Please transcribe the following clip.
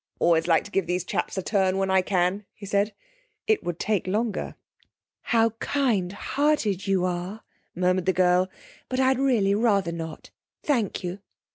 'Always like to give these chaps a turn when I can,' he said. It would take longer. 'How kind hearted you are,' murmured the girl. 'But I'd really rather not, thank you.'